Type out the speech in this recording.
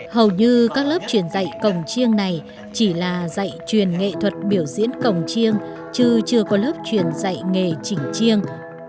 hầu như các lớp truyền dạy cồng chiêng này chỉ là dạy truyền nghệ thuật biểu diễn cồng chiêng chứ chưa có lớp truyền dạy nghề chỉnh chiêng